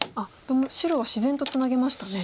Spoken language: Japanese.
白は自然とツナげましたね。